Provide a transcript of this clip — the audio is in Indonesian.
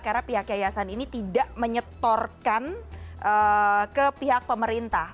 karena pihak yayasan ini tidak menyetorkan ke pihak pemerintah